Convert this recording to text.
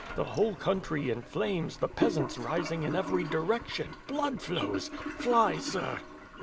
The whole country in flames, the peasants ris ing in every direction, blood flows! Fly, sir!"